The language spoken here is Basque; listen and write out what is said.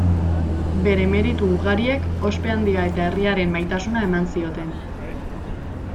Bere meritu ugariek ospe handia eta herriaren maitasuna eman zioten.